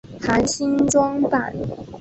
含新装版。